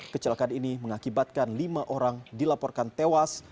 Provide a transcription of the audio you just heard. kecelakaan ini mengakibatkan lima orang dilaporkan tewas